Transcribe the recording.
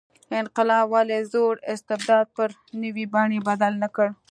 انقلاب ولې زوړ استبداد پر نوې بڼې بدل نه کړ.